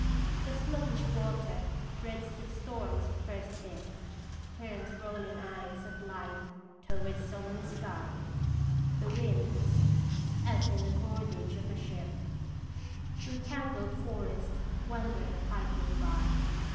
The sluggish water dreads the storm's first dip, Turns rolling eyes of light toward sullen sky ; The winds, as in the cordage of a ship, Through tangled forest wander piping by.